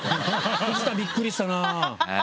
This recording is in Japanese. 藤田びっくりしたな！